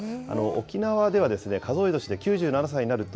沖縄では数え年で９７歳になると、